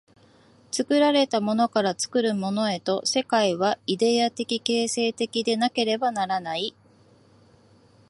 作られたものから作るものへと、世界はイデヤ的形成的でなければならない。